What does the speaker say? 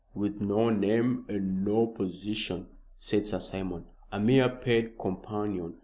"With no name and no position," said Sir Simon, "a mere paid companion.